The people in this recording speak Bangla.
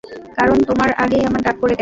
কারণ তোমার আগেই আমার ডাক পড়ে গেছে।